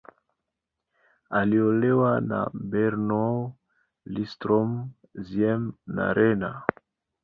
Aliolewa na Bernow, Lindström, Ziems, na Renat.